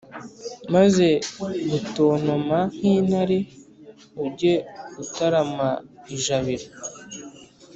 Maze gutontoma nk’intare, ujye utarama ijabiro.